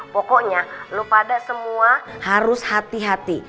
pokoknya lo pada semua harus hati hati